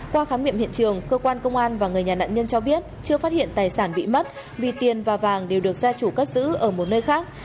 qua khám nghiệm hiện trường cơ quan công an và người nhà nạn nhân cho biết chưa phát hiện tài sản bị mất vì tiền và vàng đều được gia chủ cất giữ ở một nơi khác